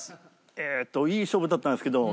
えっといい勝負だったんですけど。